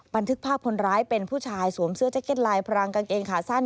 บันทึกภาพคนร้ายเป็นผู้ชายสวมเสื้อแจ็คเก็ตลายพรางกางเกงขาสั้น